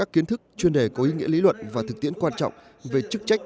các kiến thức chuyên đề có ý nghĩa lý luận và thực tiễn quan trọng về chức trách